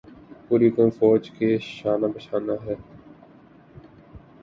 پوری قوم فوج کے شانہ بشانہ ہے۔